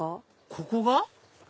ここが？